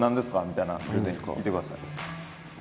みたいな全然聞いてください。